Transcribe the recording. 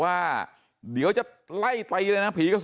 อื้ออออออออออออออ